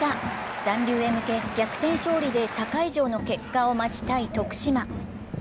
残留へ向け、逆転勝利で他会場の結果を待ちたい徳島。